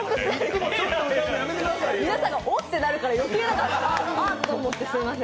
皆さんが、おってなるから、余計あってなって、すみません。